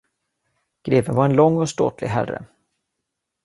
Greven var en lång och ståtlig herre.